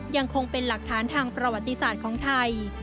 ยังคงเป็นหลักฐานทางประวัติศาสตร์ของไทย